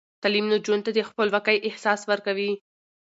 تعلیم نجونو ته د خپلواکۍ احساس ورکوي.